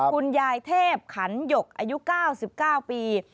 คุณยายเทพขันหยกอายุ๙๙ปี